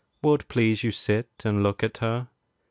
Will't please you sit and look at her?